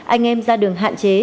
anh em ra đường hạn chế